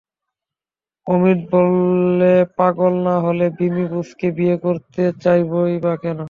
অমিত বললে, পাগল না হলে বিমি বোসকে বিয়ে করতে চাইবই বা কেন?